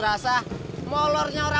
itu's bae apa rupanyafora